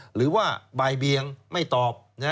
หรือว่าบ่ายเบียงไม่ตอบ